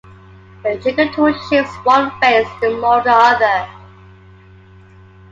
The jigger tool shapes one face, the mould the other.